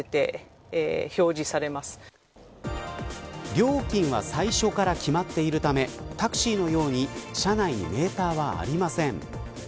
料金は最初から決まっているためタクシーのように車内にメーターはありません。